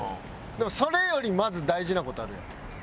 でもそれよりまず大事な事あるやろ。